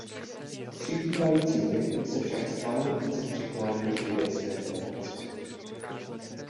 S přibývajícím věkem se však stále více přiklání k židovské tradici.